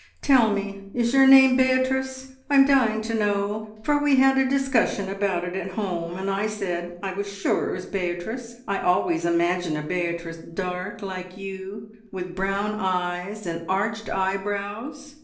Tell me, is your name Beatrice? I'm dying to know, for we had a discussion about it at home, and I said I was sure it was Beatrice. I always imagine a Beatrice dark like you, with brown eyes and arched eyebrows."